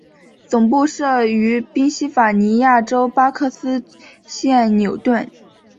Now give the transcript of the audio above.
总部设于宾西法尼亚州巴克斯县纽顿。